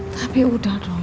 tapi udah dong